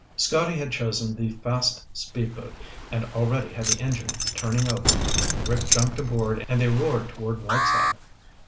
Scotty had chosen the fast speedboat and already had the engine turning over. Rick jumped aboard and they roared toward Whiteside.